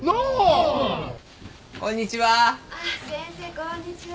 こんにちは。